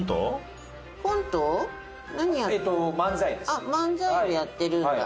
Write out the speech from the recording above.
あっ漫才をやってるんだ。